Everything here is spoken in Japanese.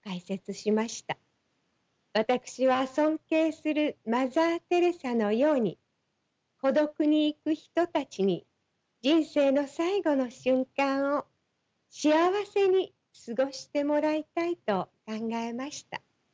私は尊敬するマザー・テレサのように孤独に逝く人たちに人生の最期の瞬間を幸せに過ごしてもらいたいと考えました。